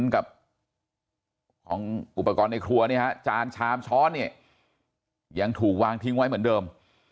ของอุปกรณ์ในครัวจานชามช้อนยังถูกวางทิ้งไว้เหมือนเดิม